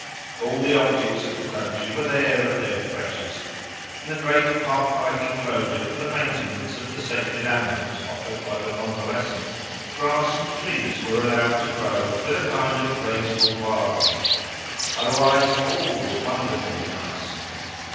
All the objects of the country were there at their freshest. In the great park like enclosure for the maintenance of the sacred animals offered by the convalescent, grass and trees were allowed to grow with a kind of graceful wildness; otherwise, all was wonderfully nice.